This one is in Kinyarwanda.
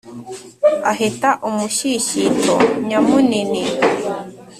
Aheta umushyishyito nyamunini